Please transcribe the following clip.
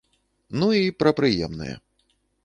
Ну і пра прыемнае.